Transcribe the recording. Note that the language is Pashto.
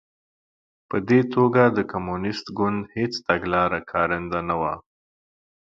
په دې توګه د کمونېست ګوند هېڅ تګلاره کارنده نه وه